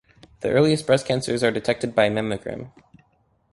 The earliest breast cancers are detected by a mammogram.